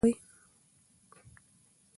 ایا تاسو په خپله ژبه لیکل کوئ؟